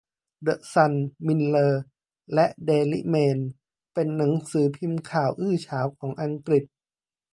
เดอะซัน มิลเลอร์และเดลิเมลเป็นหนังสือพิมพ์ข่าวอื้อฉาวของอังกฤษ